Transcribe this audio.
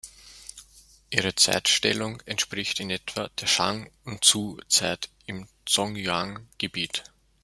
Ihre Zeitstellung entspricht in etwa der Shang- und Zhou-Zeit im Zhongyuan-Gebiet.